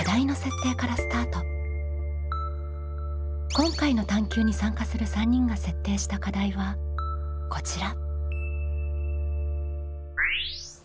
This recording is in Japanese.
今回の探究に参加する３人が設定した課題はこちら。